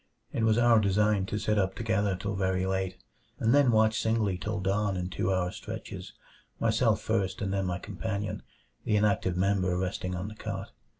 It was our design to sit up together till very late, and then watch singly till dawn in two hour stretches, myself first and then my companion; the inactive member resting on the cot.